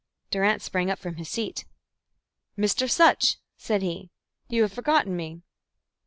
Durrance sprang up from his seat. "Mr. Sutch," said he. "You have forgotten me?"